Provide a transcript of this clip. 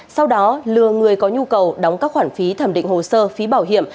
sau đó lừa người có nhu cầu đóng các khoản phí thẩm định hồ sơ phí bảo hiểm